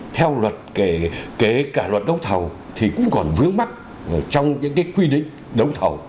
theo luật kể cả luật đấu thầu thì cũng còn vướng mắt trong những quy định đấu thầu